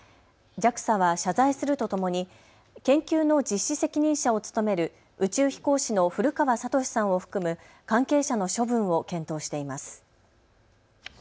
ＪＡＸＡは謝罪するとともに研究の実施責任者を務める宇宙飛行士の古川聡さんを含む関係者の処分を検討しています。